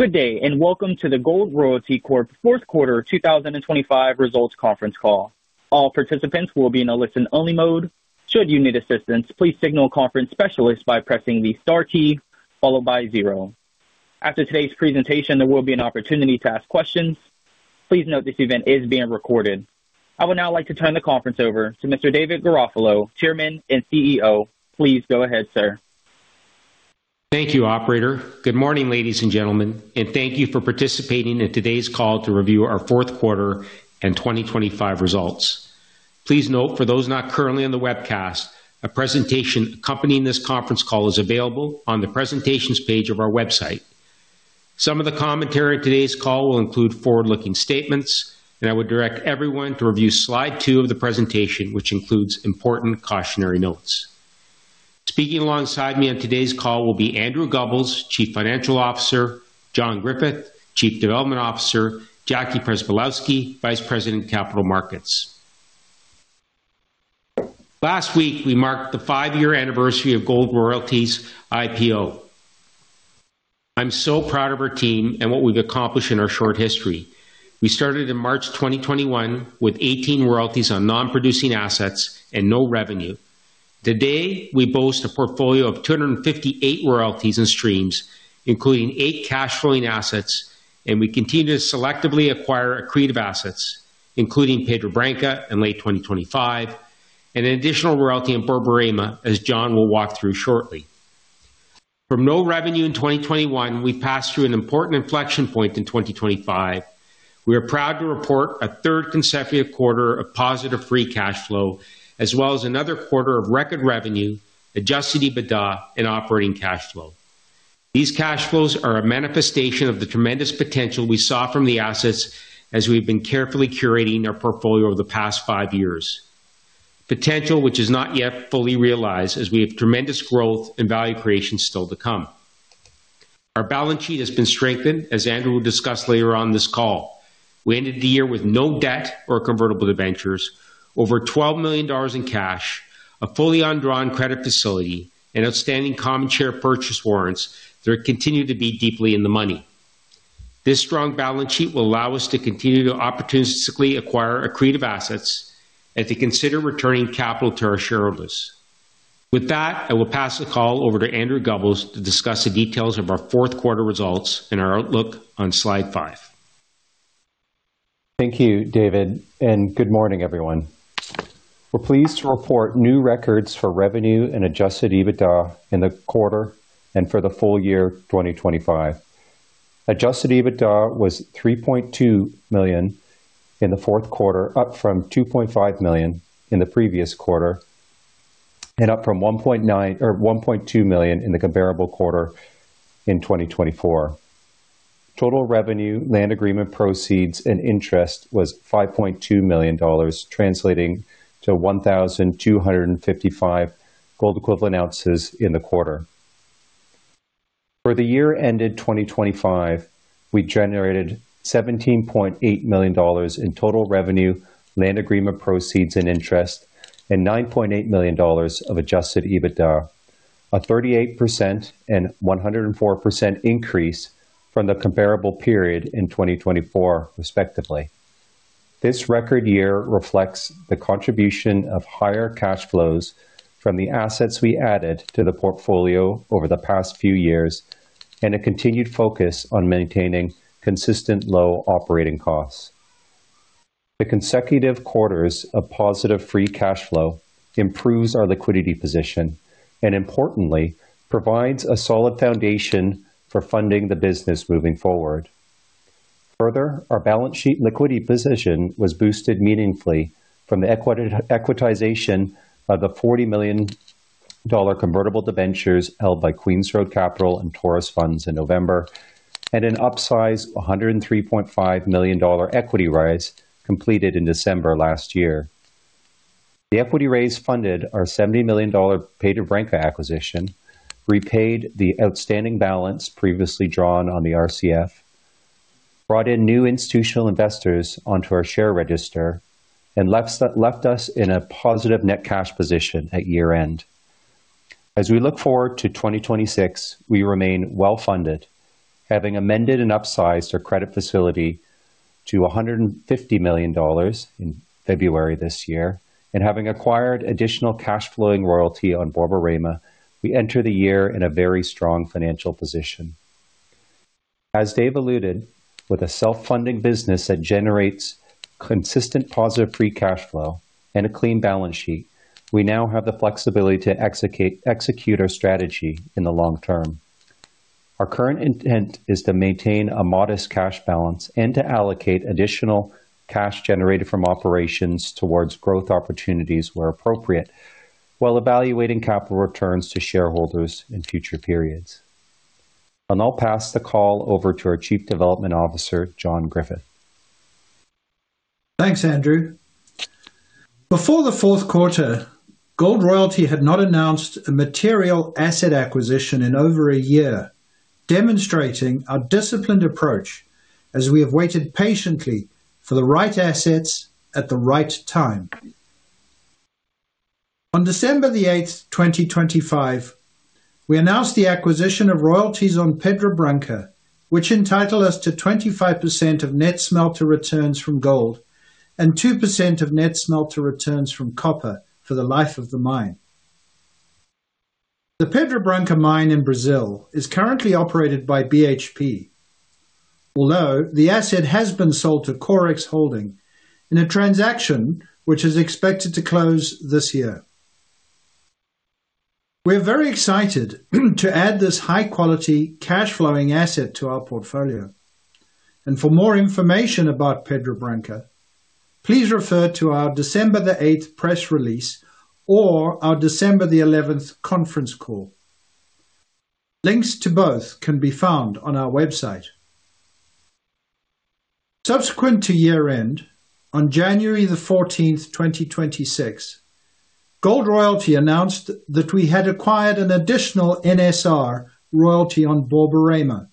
Good day, and welcome to the Gold Royalty Corp. fourth quarter 2025 results conference call. All participants will be in a listen-only mode. Should you need assistance, please signal a conference specialist by pressing the star key followed by zero. After today's presentation, there will be an opportunity to ask questions. Please note this event is being recorded. I would now like to turn the conference over to Mr. David Garofalo, Chairman and CEO. Please go ahead, sir. Thank you, operator. Good morning, ladies and gentlemen, and thank you for participating in today's call to review our fourth quarter and 2025 results. Please note for those not currently on the webcast, a presentation accompanying this conference call is available on the Presentations page of our website. Some of the commentary on today's call will include forward-looking statements, and I would direct everyone to review slide two of the presentation, which includes important cautionary notes. Speaking alongside me on today's call will be Andrew Gubbels, Chief Financial Officer, John Griffith, Chief Development Officer, Jackie Przybylowski, Vice President, Capital Markets. Last week, we marked the five-year anniversary of Gold Royalty's IPO. I'm so proud of our team and what we've accomplished in our short history. We started in March 2021 with 18 royalties on non-producing assets and no revenue. Today, we boast a portfolio of 258 royalties and streams, including eight cash flowing assets, and we continue to selectively acquire accretive assets, including Pedra Branca in late 2025 and an additional royalty in Borborema, as John will walk through shortly. From no revenue in 2021, we passed through an important inflection point in 2025. We are proud to report a third consecutive quarter of positive free cash flow, as well as another quarter of record revenue, Adjusted EBITDA and operating cash flow. These cash flows are a manifestation of the tremendous potential we saw from the assets as we've been carefully curating our portfolio over the past 5 years. Potential which is not yet fully realized as we have tremendous growth and value creation still to come. Our balance sheet has been strengthened, as Andrew will discuss later on this call. We ended the year with no debt or convertible debentures, over $12 million in cash, a fully undrawn credit facility and outstanding common share purchase warrants that continue to be deeply in the money. This strong balance sheet will allow us to continue to opportunistically acquire accretive assets and to consider returning capital to our shareholders. With that, I will pass the call over to Andrew Gubbels to discuss the details of our fourth quarter results and our outlook on slide five. Thank you, David, and good morning, everyone. We're pleased to report new records for revenue and Adjusted EBITDA in the quarter and for the full year 2025. Adjusted EBITDA was $3.2 million in the fourth quarter, up from $2.5 million in the previous quarter and up from $1.9 or $1.2 million in the comparable quarter in 2024. Total revenue, land agreement proceeds and interest was $5.2 million, translating to 1,255 gold equivalent ounces in the quarter. For the year ended 2025, we generated $17.8 million in total revenue, land agreement proceeds and interest and $9.8 million of Adjusted EBITDA, a 38% and 104% increase from the comparable period in 2024, respectively. This record year reflects the contribution of higher cash flows from the assets we added to the portfolio over the past few years and a continued focus on maintaining consistent low operating costs. The consecutive quarters of positive free cash flow improves our liquidity position and importantly provides a solid foundation for funding the business moving forward. Further, our balance sheet liquidity position was boosted meaningfully from the equitization of the $40 million convertible debentures held by Queen's Road Capital and Taurus Funds Management in November at an upsize $103.5 million equity raise completed in December last year. The equity raise funded our $70 million Pedra Branca acquisition, repaid the outstanding balance previously drawn on the RCF, brought in new institutional investors onto our share register and left us in a positive net cash position at year-end. As we look forward to 2026, we remain well-funded, having amended and upsized our credit facility to $150 million in February this year and having acquired additional cash flowing royalty on Borborema, we enter the year in a very strong financial position. As Dave alluded, with a self-funding business that generates consistent positive free cash flow and a clean balance sheet, we now have the flexibility to execute our strategy in the long term. Our current intent is to maintain a modest cash balance and to allocate additional cash generated from operations towards growth opportunities where appropriate, while evaluating capital returns to shareholders in future periods. I'll now pass the call over to our Chief Development Officer, John Griffith. Thanks, Andrew. Before the fourth quarter, Gold Royalty had not announced a material asset acquisition in over a year, demonstrating our disciplined approach as we have waited patiently for the right assets at the right time. On December 8th, 2025, we announced the acquisition of royalties on Pedra Branca, which entitle us to 25% of net smelter returns from gold and 2% of net smelter returns from copper for the life of the mine. The Pedra Branca mine in Brazil is currently operated by BHP, although the asset has been sold to CoreX Holding in a transaction which is expected to close this year. We're very excited to add this high-quality cash flowing asset to our portfolio. For more information about Pedra Branca, please refer to our December 8th press release or our December 11th conference call. Links to both can be found on our website. Subsequent to year-end, on January 14th, 2026, Gold Royalty announced that we had acquired an additional NSR royalty on Borborema.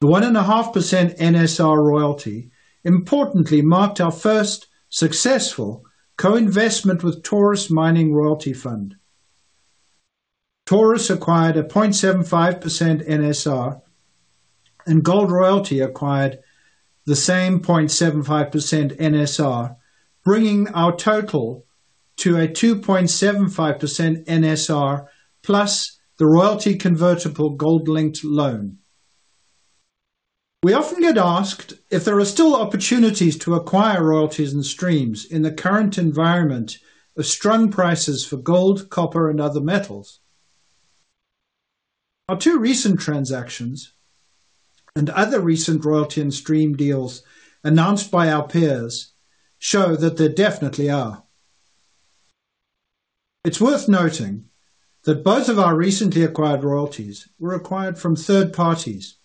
The 1.5% NSR royalty importantly marked our first successful co-investment with Taurus Mining Royalty Fund. Taurus acquired a 0.75% NSR and Gold Royalty acquired the same 0.75% NSR, bringing our total to a 2.75% NSR plus the royalty-convertible gold-linked loan. We often get asked if there are still opportunities to acquire royalties and streams in the current environment of strong prices for gold, copper and other metals. Our two recent transactions and other recent royalty and stream deals announced by our peers show that there definitely are. It's worth noting that both of our recently acquired royalties were acquired from third parties,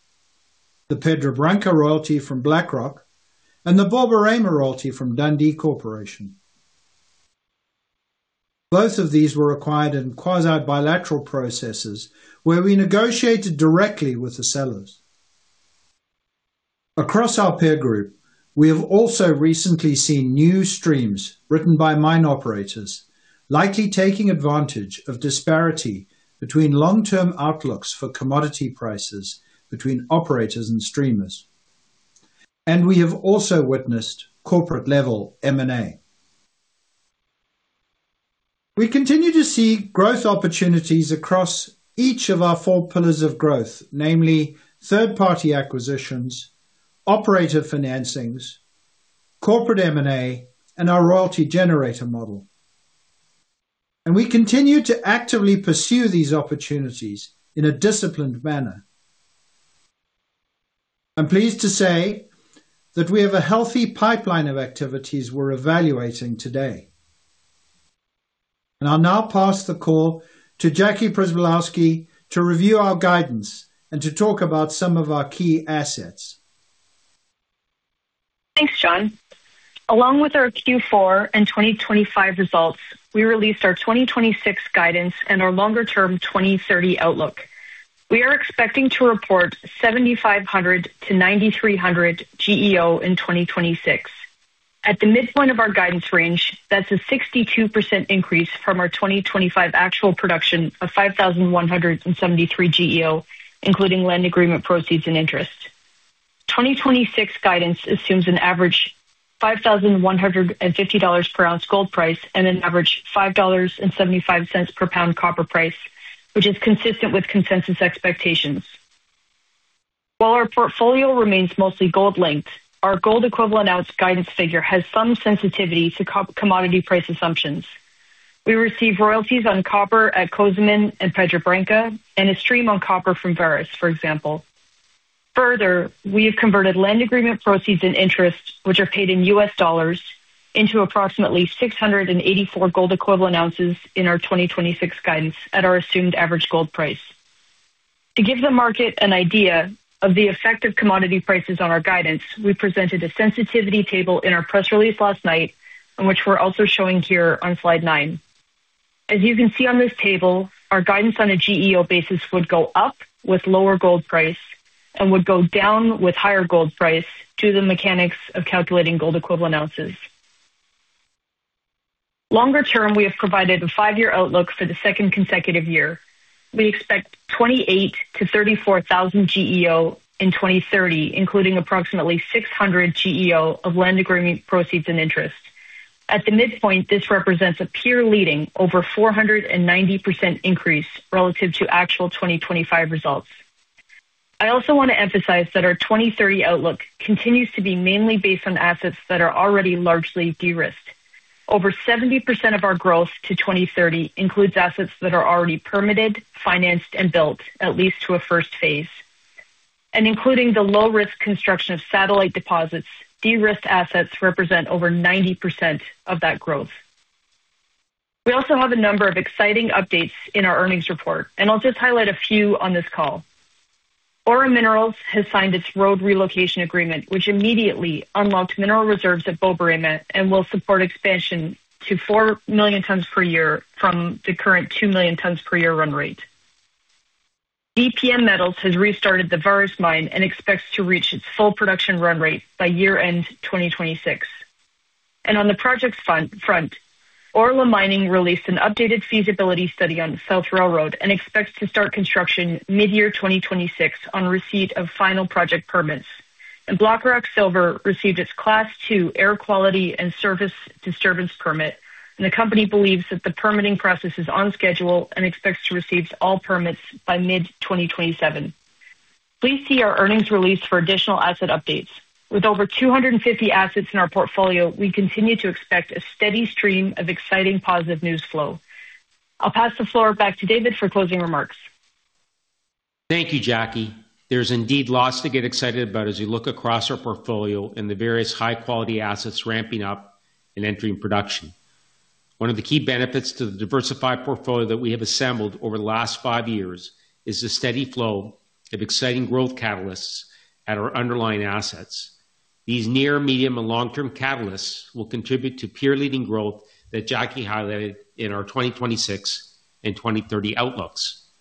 the Pedra Branca royalty from BlackRock and the Borborema royalty from Dundee Corporation. Both of these were acquired in quasi-bilateral processes, where we negotiated directly with the sellers. Across our peer group, we have also recently seen new streams written by mine operators, likely taking advantage of disparity between long-term outlooks for commodity prices between operators and streamers. We have also witnessed corporate-level M&A. We continue to see growth opportunities across each of our four pillars of growth namely third-party acquisitions, operator financings, corporate M&A, and our royalty generator model. We continue to actively pursue these opportunities in a disciplined manner. I'm pleased to say that we have a healthy pipeline of activities we're evaluating today. I'll now pass the call to Jackie Przybylowski to review our guidance and to talk about some of our key assets. Thanks, John. Along with our Q4 and 2025 results, we released our 2026 guidance and our longer-term 2030 outlook. We are expecting to report 7,500-9,300 GEO in 2026. At the midpoint of our guidance range, that's a 62% increase from our 2025 actual production of 5,173 GEO, including land agreement proceeds and interest. 2026 guidance assumes an average $5,150 per ounce gold price and an average $5.75 per pound copper price, which is consistent with consensus expectations. While our portfolio remains mostly gold-linked, our gold equivalent ounce guidance figure has some sensitivity to commodity price assumptions. We receive royalties on copper at Cozamin and Pedra Branca and a stream on copper from Vares, for example. Further, we have converted land agreement proceeds and interest, which are paid in $, into approximately 684 gold equivalent ounces in our 2026 guidance at our assumed average gold price. To give the market an idea of the effect of commodity prices on our guidance, we presented a sensitivity table in our press release last night, and which we're also showing here on slide nine. As you can see on this table, our guidance on a GEO basis would go up with lower gold price and would go down with higher gold price due to the mechanics of calculating gold equivalent ounces. Longer term, we have provided a five-year outlook for the second consecutive year. We expect 28,000-34,000 GEO in 2030, including approximately 600 GEO of land agreement proceeds and interest. At the midpoint, this represents a peer leading over 490% increase relative to actual 2025 results. I also want to emphasize that our 2030 outlook continues to be mainly based on assets that are already largely de-risked. Over 70% of our growth to 2030 includes assets that are already permitted, financed, and built at least to a first phase. Including the low-risk construction of satellite deposits, de-risked assets represent over 90% of that growth. We also have a number of exciting updates in our earnings report, and I'll just highlight a few on this call. Aura Minerals has signed its road relocation agreement, which immediately unlocks mineral reserves at Borborema and will support expansion to 4 million tons per year from the current 2 million tons per year run rate. Adriatic Metals has restarted the Vareš mine and expects to reach its full production run rate by year-end 2026. On the project front, Orla Mining released an updated feasibility study on South Railroad and expects to start construction mid-year 2026 on receipt of final project permits. Blackrock Silver Corp. received its Class II Air Quality and Surface Disturbance Permit, and the company believes that the permitting process is on schedule and expects to receive all permits by mid-2027. Please see our earnings release for additional asset updates. With over 250 assets in our portfolio, we continue to expect a steady stream of exciting positive news flow. I'll pass the floor back to David for closing remarks. Thank you, Jackie. There's indeed lots to get excited about as you look across our portfolio and the various high-quality assets ramping up and entering production. One of the key benefits to the diversified portfolio that we have assembled over the last five years is the steady flow of exciting growth catalysts at our underlying assets. These near, medium, and long-term catalysts will contribute to peer-leading growth that Jackie highlighted in our 2026 and 2030 outlooks.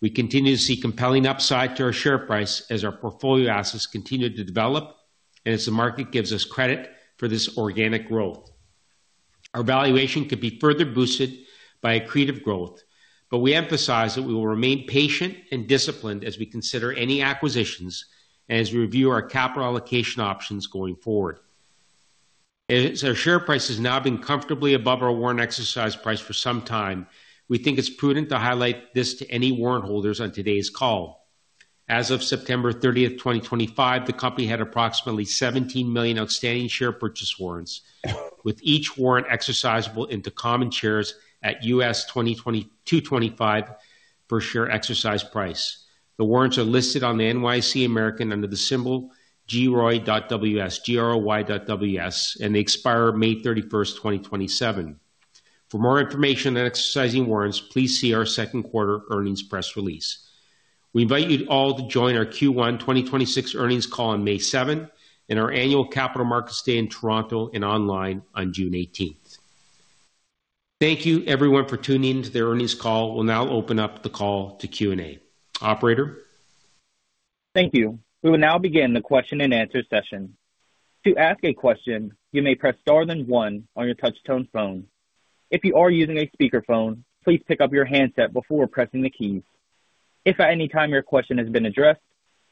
We continue to see compelling upside to our share price as our portfolio assets continue to develop and as the market gives us credit for this organic growth. Our valuation could be further boosted by accretive growth, but we emphasize that we will remain patient and disciplined as we consider any acquisitions and as we review our capital allocation options going forward. As our share price has now been comfortably above our warrant exercise price for some time, we think it's prudent to highlight this to any warrant holders on today's call. As of September 30, 2025, the company had approximately 17 million outstanding share purchase warrants, with each warrant exercisable into common shares at $2.25 per share exercise price. The warrants are listed on the NYSE American under the symbol GROY.WS, G-R-O-Y dot W-S, and they expire May 31, 2027. For more information on exercising warrants, please see our second quarter earnings press release. We invite you all to join our Q1 2026 earnings call on May 7 and our annual Capital Markets Day in Toronto and online on June 18. Thank you everyone for tuning in to the earnings call. We'll now open up the call to Q&A. Operator? Thank you. We will now begin the question-and-answer session. To ask a question, you may press star then one on your touch-tone phone. If you are using a speakerphone, please pick up your handset before pressing the keys. If at any time your question has been addressed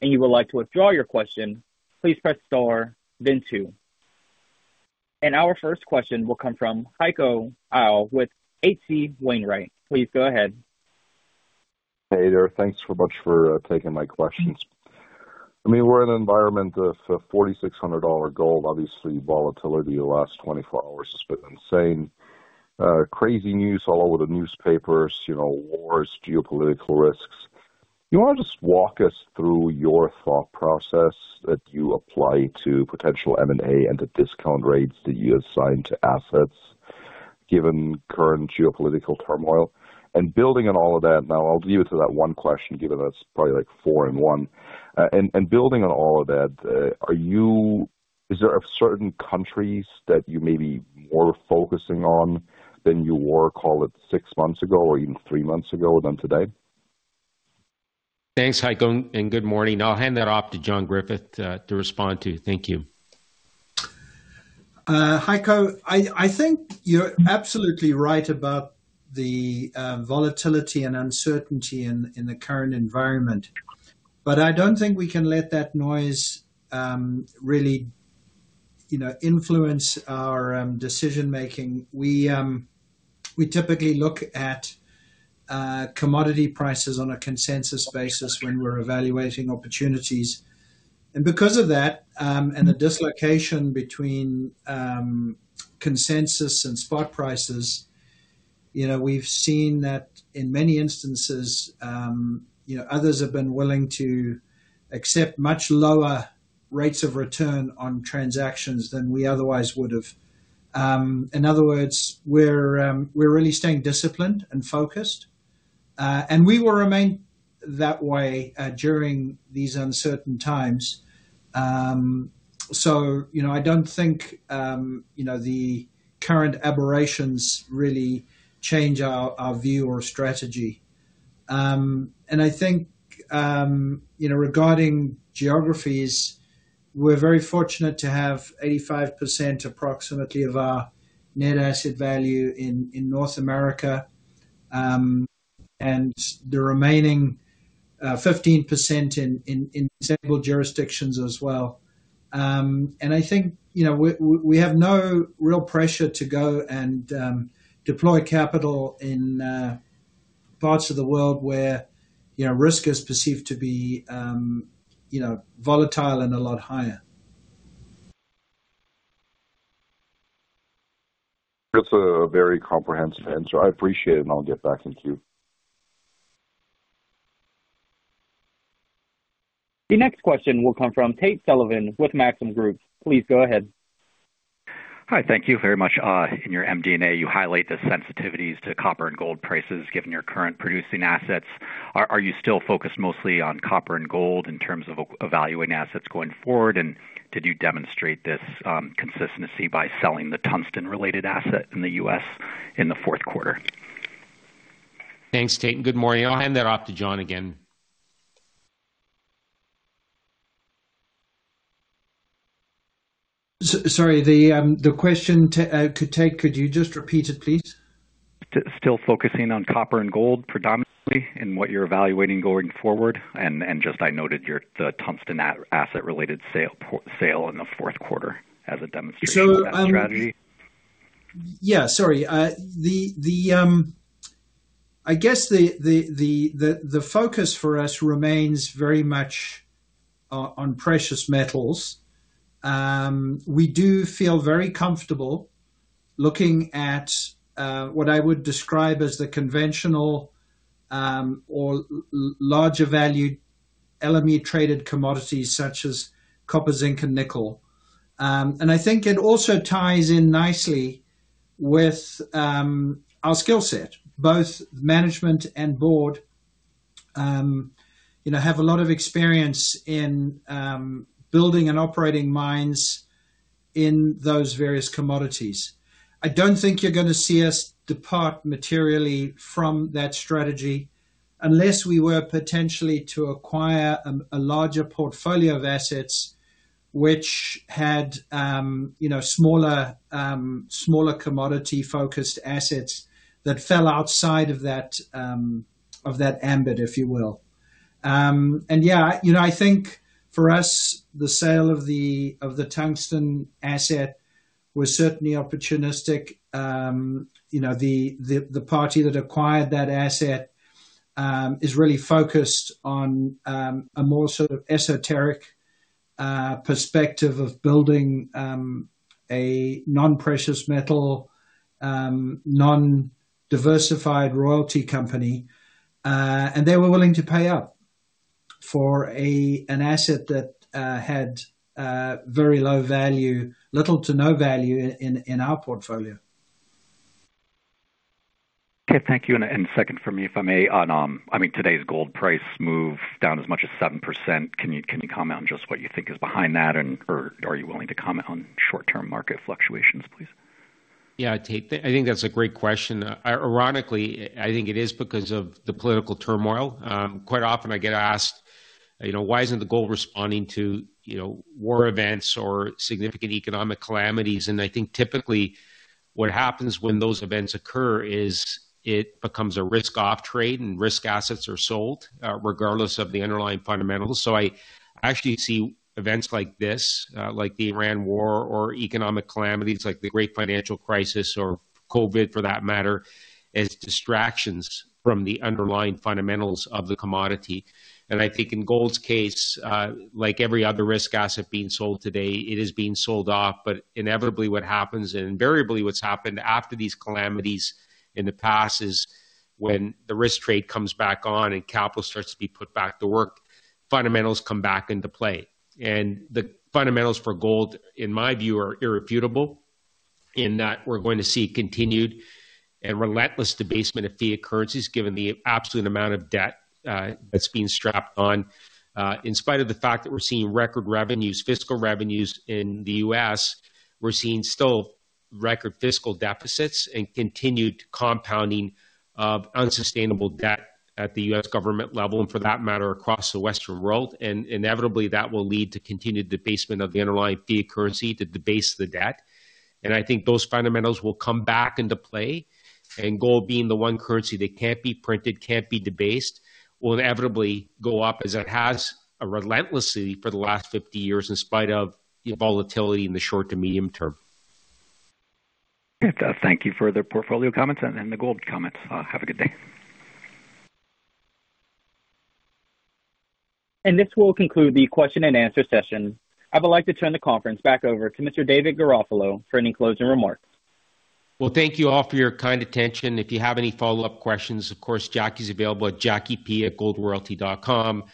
and you would like to withdraw your question, please press star then two. Our first question will come from Heiko Ihle with H.C. Wainwright & Co Please go ahead. Hey there. Thanks so much for taking my questions. I mean, we're in an environment of $4,600 gold. Obviously, volatility the last 24 hours has been insane. Crazy news all over the newspapers, you know, wars, geopolitical risks. You want to just walk us through your thought process that you apply to potential M&A and the discount rates that you assign to assets given current geopolitical turmoil? Building on all of that, now I'll leave it to that one question, given that it's probably like four in one. Building on all of that, is there certain countries that you may be more focusing on than you were, call it, six months ago or even three months ago than today? Thanks, Heiko, and good morning. I'll hand that off to John Griffith, to respond to. Thank you. Heiko, I think you're absolutely right about the volatility and uncertainty in the current environment, but I don't think we can let that noise really, you know, influence our decision-making. We typically look at commodity prices on a consensus basis when we're evaluating opportunities. Because of that, and the dislocation between consensus and spot prices, you know, we've seen that in many instances, you know, others have been willing to accept much lower rates of return on transactions than we otherwise would have. In other words, we're really staying disciplined and focused, and we will remain that way during these uncertain times. You know, I don't think you know, the current aberrations really change our view or strategy. I think, you know, regarding geographies, we're very fortunate to have 85%, approximately, of our net asset value in North America, and the remaining 15% in several jurisdictions as well. I think, you know, we have no real pressure to go and deploy capital in parts of the world where, you know, risk is perceived to be, you know, volatile and a lot higher. That's a very comprehensive answer. I appreciate it, and I'll get back in queue. The next question will come from Tate Sullivan with Maxim Group. Please go ahead. Hi. Thank you very much. In your MD&A, you highlight the sensitivities to copper and gold prices given your current producing assets. Are you still focused mostly on copper and gold in terms of evaluating assets going forward, and did you demonstrate this consistency by selling the tungsten-related asset in the U.S. in the fourth quarter? Thanks, Tate, and good morning. I'll hand that off to John again. Sorry, the question. Could you just repeat it, please? Still focusing on copper and gold predominantly in what you're evaluating going forward? Just, I noted your tungsten asset-related sale in the fourth quarter as a demonstration of that strategy. I guess the focus for us remains very much on precious metals. We do feel very comfortable looking at what I would describe as the conventional or larger value LME traded commodities such as copper, zinc, and nickel. I think it also ties in nicely with our skill set, both management and board, you know, have a lot of experience in building and operating mines in those various commodities. I don't think you're gonna see us depart materially from that strategy unless we were potentially to acquire a larger portfolio of assets which had, you know, smaller commodity focused assets that fell outside of that ambit, if you will. Yeah, you know, I think for us, the sale of the tungsten asset was certainly opportunistic. You know, the party that acquired that asset is really focused on a more sort of esoteric perspective of building a non-precious metal non-diversified royalty company. They were willing to pay up for an asset that had very low value, little to no value in our portfolio. Okay, thank you. Second for me, if I may on, I mean, today's gold price move down as much as 7%. Can you comment on just what you think is behind that and or are you willing to comment on short-term market fluctuations, please? Yeah, Tate. I think that's a great question. Ironically, I think it is because of the political turmoil. Quite often I get asked, you know, why isn't the gold responding to, you know, war events or significant economic calamities? I think typically what happens when those events occur is it becomes a risk off trade and risk assets are sold, regardless of the underlying fundamentals. I actually see events like this, like the Iran war or economic calamities like the great financial crisis or COVID for that matter, as distractions from the underlying fundamentals of the commodity. I think in gold's case, like every other risk asset being sold today, it is being sold off. Inevitably what happens and invariably what's happened after these calamities in the past is when the risk trade comes back on and capital starts to be put back to work, fundamentals come back into play. The fundamentals for gold, in my view, are irrefutable in that we're going to see continued and relentless debasement of fiat currencies given the absolute amount of debt that's being strapped on. In spite of the fact that we're seeing record revenues, fiscal revenues in the U.S., we're seeing still record fiscal deficits and continued compounding of unsustainable debt at the U.S. government level and for that matter, across the Western world. Inevitably that will lead to continued debasement of the underlying fiat currency to debase the debt. I think those fundamentals will come back into play and gold being the one currency that can't be printed, can't be debased, will inevitably go up as it has relentlessly for the last 50 years, in spite of the volatility in the short to medium term. Thank you for the portfolio comments and the gold comments. Have a good day. This will conclude the question and answer session. I would like to turn the conference back over to Mr. David Garofalo for any closing remarks. Well, thank you all for your kind attention. If you have any follow-up questions, of course, Jackie's available at jackiep@goldroyalty.com,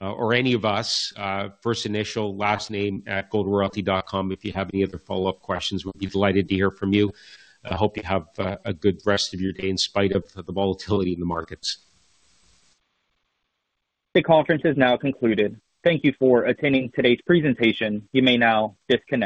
or any of us, first initial last name @goldroyalty.com. If you have any other follow-up questions, we'll be delighted to hear from you. I hope you have a good rest of your day in spite of the volatility in the markets. The conference is now concluded. Thank you for attending today's presentation. You may now disconnect.